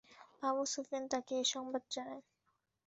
আবু সুফিয়ানই তাকে এ সংবাদ জানায়।